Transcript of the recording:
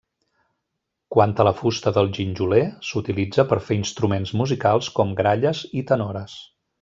Quant a la fusta del ginjoler, s'utilitza per fer instruments musicals com gralles i tenores.